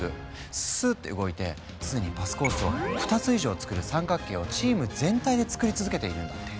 スススッて動いて常にパスコースを２つ以上つくる三角形をチーム全体で作り続けているんだって！